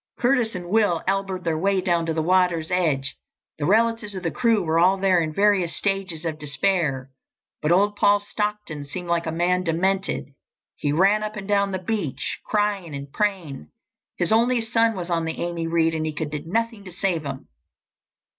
Curtis and Will elbowed their way down to the water's edge. The relatives of the crew were all there in various stages of despair, but old Paul Stockton seemed like a man demented. He ran up and down the beach, crying and praying. His only son was on the Amy Reade, and he could do nothing to save him!